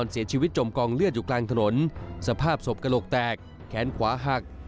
จมกองเลือดอยู่กลางถนนสภาพศพกระโหลกแตกแขนขวาหัก